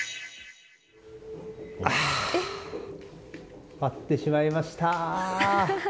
ああ割ってしまいました。